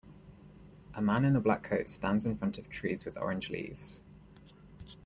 A Man in a black coat stands in front of trees with orange leaves.